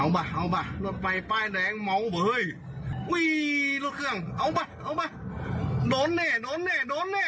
เอามาเอามารถปลายแดงมองเบื่อ